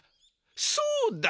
そうだ！